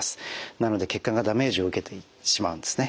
なので血管がダメージを受けてしまうんですね。